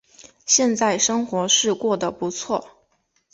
现在生活是过得不错